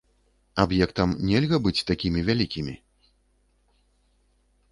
Аб'ектам нельга быць такімі вялікімі.